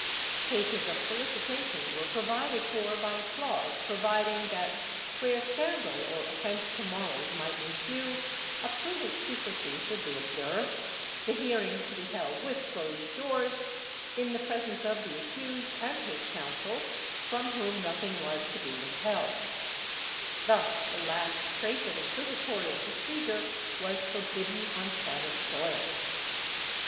Cases of solicitation were provided for by a clause providing that, where scandal or offence to morals might ensue, a prudent secrecy should be observed, the hearings to be held with closed doors, in the presence of the accused and his counsel, from whom nothing was to be withheld/ Thus the last trace of inquisitorial procedure was forbidden on Spanish soil.